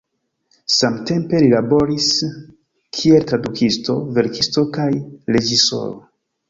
Samtempe li laboris kiel tradukisto, verkisto kaj reĝisoro.